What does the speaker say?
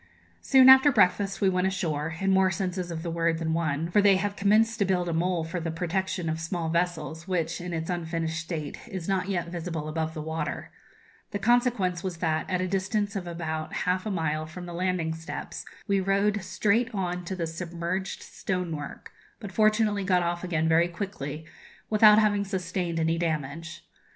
Soon after breakfast we went ashore in more senses of the word than one; for they have commenced to build a mole for the protection of small vessels, which, in its unfinished state, is not yet visible above the water. The consequence was that, at a distance of about half a mile from the landing steps, we rowed straight on to the submerged stonework, but fortunately got off again very quickly, without having sustained any damage.